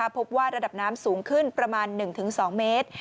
พบว่าระดับน้ำสูงขึ้นประมาณ๑๒เมตร